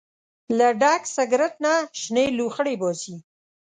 له ډک سګرټ نه شنې لوخړې باسي.